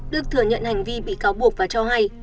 đức thừa nhận hành vi bị cáo buộc và cho hay